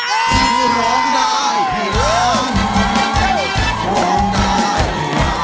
สำหรับเพลงที่๕นะครับ